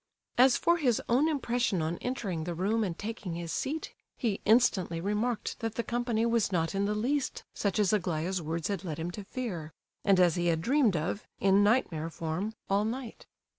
As for his own impression on entering the room and taking his seat, he instantly remarked that the company was not in the least such as Aglaya's words had led him to fear, and as he had dreamed of—in nightmare form—all night.